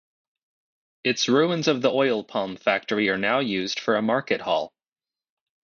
Its ruins of the oil palm factory are now used for a market hall.